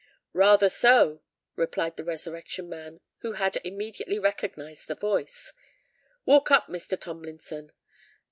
"Rather so," replied the Resurrection Man, who had immediately recognised the voice; "walk up, Mr. Tomlinson."